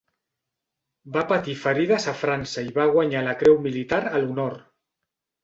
Va patir ferides a França i a guanyar la creu militar a l"honor.